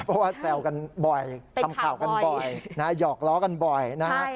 เพราะว่าแซวกันบ่อยทำข่าวกันบ่อยนะฮะหยอกล้อกันบ่อยนะฮะ